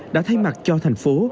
đã thay mặt cho thành phố